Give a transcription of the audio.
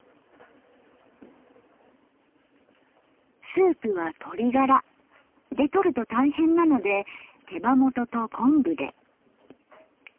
スープは鶏ガラでとると大変なので手羽元と昆布で。